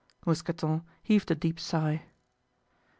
Mousqueton heaved a deep sigh.